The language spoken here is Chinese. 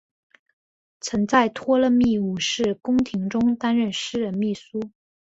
曾在托勒密五世宫廷中担任私人秘书。